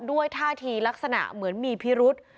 ด้วยท่าทีลักษณะเหมือนมีพิรุษ